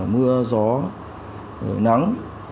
mưa gió nắng